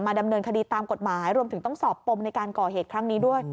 ดำเนินคดีตามกฎหมายรวมถึงต้องสอบปมในการก่อเหตุครั้งนี้ด้วย